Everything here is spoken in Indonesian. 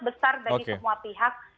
besar bagi semua pihak